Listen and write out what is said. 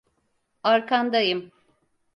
Arkandayım!